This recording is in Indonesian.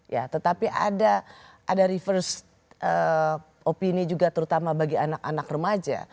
ya tetapi ada reverse opini juga terutama bagi anak anak remaja